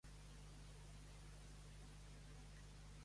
Qui... quina butlleta? —balbuceja la Flor—.